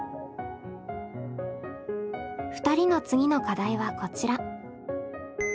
２人の次の課題はこちら。